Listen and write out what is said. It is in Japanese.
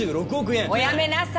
おやめなさい！